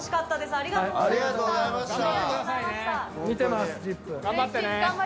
ありがとうございます。